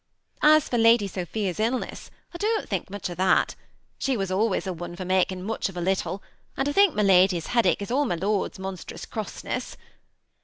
As for Lady Sophia's illness, I don't think much of that She was always a one for making much of a little, and I think my lady's headache is all my lord's monstrous crossness.